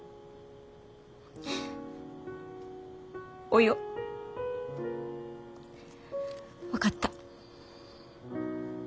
およ分かった。